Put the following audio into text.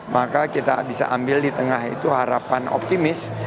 maka kita bisa ambil di tengah itu harapan optimis